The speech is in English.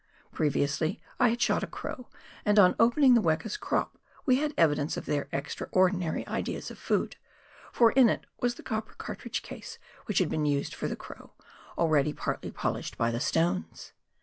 Previously I had shot a crow, and on opening the weka's crop we had evidence of their extra ordinary ideas of food, for in it was the copper cartridge case which had been used for the crow, already partly polished by the stones.